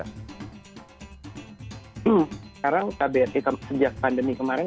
sekarang kbri sejak pandemi kemarin